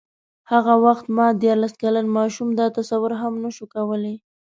هغه وخت ما دیارلس کلن ماشوم دا تصور هم نه شو کولای.